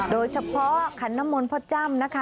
โดยเฉพาะขณะมนต์พ่อจ้ำนะคะ